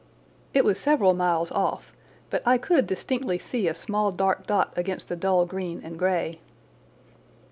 It was several miles off, but I could distinctly see a small dark dot against the dull green and grey.